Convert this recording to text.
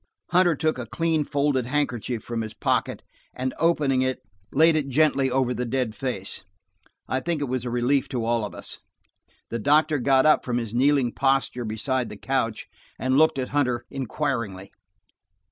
Hunter took a clean folded handkerchief from his pocket and opening it laid it gently over the dead face. I think it was a relief to all of us. The doctor got up from his kneeling posture beside the couch, and looked at Hunter inquiringly.